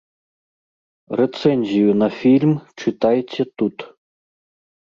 Рэцэнзію на фільм чытайце тут.